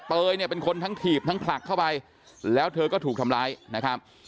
เตยเนี่ยเป็นคนทั้งถีบทั้งผลักเข้าไปแล้วเธอก็ถูกทำร้ายนะครับ